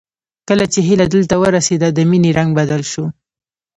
کله چې هيله دلته ورسېده د مينې رنګ بدل شو